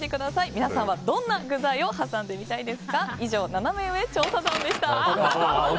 皆さんはどんな具材を挟んでみたいですか？